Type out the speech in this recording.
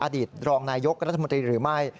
อดีตรองนายกรัฐมนตรีหรือไม่